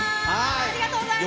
ありがとうございます。